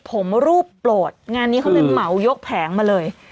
ผมรูปโปรดงานนี้เขาเลยเหมายกแผงมาเลย